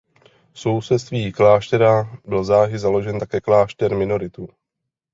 V sousedství kláštera byl záhy založen také klášter minoritů.